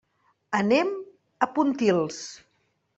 Anem a Pontils.